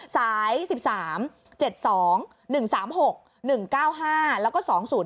สาย๑๓๗๒๑๓๖๑๙๕แล้วก็๒๐๕